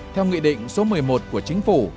theo nghị định số một mươi một của chính phủ